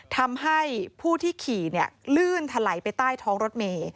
ทำให้ผู้ที่ขี่ลื่นถลายไปใต้ท้องรถเมย์